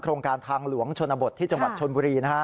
โครงการทางหลวงชนบทที่จังหวัดชนบุรีนะฮะ